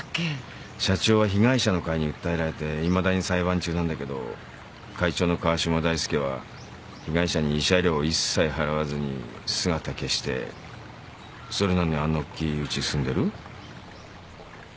社長は被害者の会に訴えられていまだに裁判中なんだけど会長の川嶋大介は被害者に慰謝料一切払わずに姿消してそれなのにあんなおっきいうち住んでる。